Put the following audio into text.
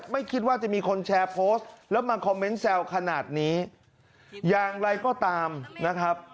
ไม่คิดว่าจะมีคนแชร์โพสต์แล้วมาคอมเมนต์แซวขนาดนี้อย่างไรก็ตามนะครับ